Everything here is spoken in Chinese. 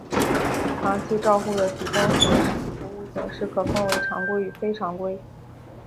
长期照护的提供服务形式可分为常规与非常规。